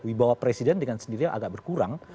wibawa presiden dengan sendirinya agak berkurang